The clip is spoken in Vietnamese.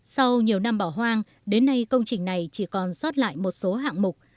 sau nhiều năm bỏ hoang đến nay công trình này chỉ còn sót lại một số hạng mục